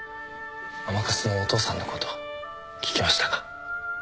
甘春のお父さんのこと聞きましたか？